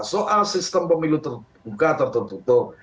soal sistem pemilu terbuka atau tertutup